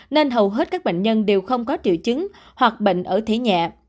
nên hầu hết các bệnh nhân đều không có triệu chứng hoặc bệnh ở thể nhẹ